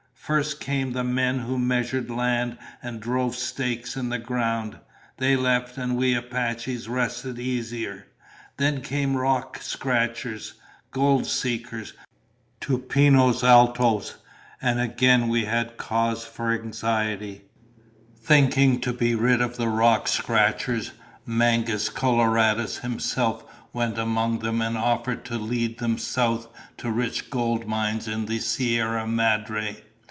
"First came the men who measured land and drove stakes in the ground. They left and we Apaches rested easier. Then came rock scratchers, gold seekers, to Pinos Altos, and again we had cause for anxiety. "Thinking to be rid of the rock scratchers, Mangus Coloradus himself went among them and offered to lead them south to rich gold mines in the Sierra Madre.